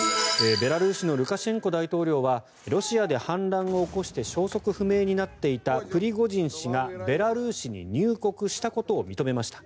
ベラルーシのルカシェンコ大統領はロシアで反乱を起こして消息不明になっていたプリゴジン氏がベラルーシに入国したことを認めました。